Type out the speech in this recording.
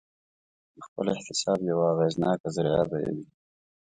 د خپل احتساب یوه اغېزناکه ذریعه به یې وي.